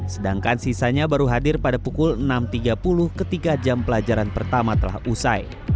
sedangkan sisanya baru hadir pada pukul enam tiga puluh ketika jam pelajaran pertama telah usai